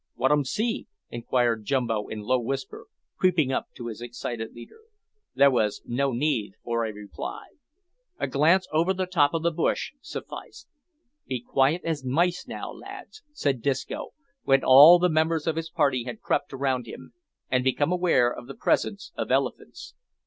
"Wat 'um see?" inquired Jumbo in a low whisper, creeping up to his excited leader. There was no need for a reply. A glance over the top of the bush sufficed. "Be quiet as mice now, lads," said Disco, when all the members of his party had crept around him, and become aware of the presence of elephants.